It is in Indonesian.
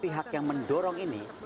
pilih whatsapp yang mendorong ini